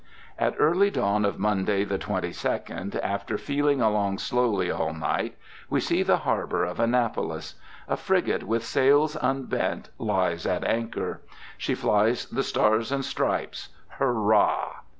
At early dawn of Monday the 22d, after feeling along slowly all night, we see the harbor of Annapolis. A frigate with sails unbent lies at anchor. She flies the stars and stripes. Hurrah!